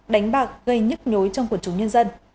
đánh bạc gây nhức nhối trong quần chúng nhân dân